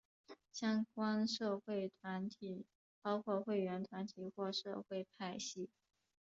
相关社会团体包括会员团体或社会派系。